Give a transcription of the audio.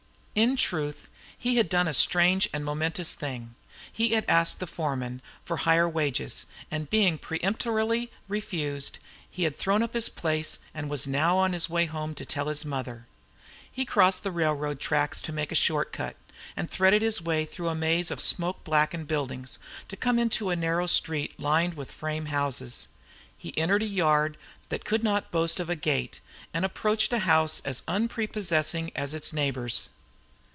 In truth, he had done a strange and momentous thing; he had asked the foreman for higher wages, and being peremptorily refused, had thrown up his place and was now on his way home to tell his mother. He crossed the railroad tracks to make a short cut, and threaded his way through a maze of smoke blackened buildings, to come into narrow street lined with frame houses. He entered a yard that could not boast of a fence, and approached a house as unprepossessing as its neighbors.